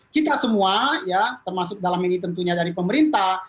kita semua ya termasuk dalam ini tentunya dari pemerintah